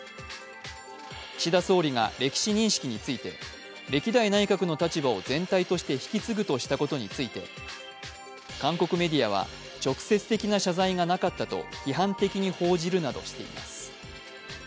岸田総理が歴史認識について歴代内閣の立場を全体として引き継ぐとしたことについて韓国メディアは直接的な謝罪がなかったと批判的に報じるなどしています。